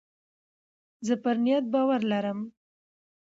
زه پر نیت باور لرم.